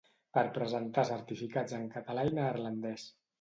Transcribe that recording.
Per presentar certificats en català i neerlandès.